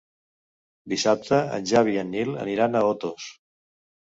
Dissabte en Xavi i en Nil aniran a Otos.